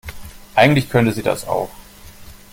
Eigentlich könnte sie das auch.